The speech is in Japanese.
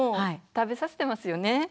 食べさせてます。